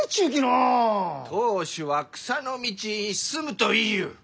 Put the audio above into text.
当主は草の道に進むと言いゆう！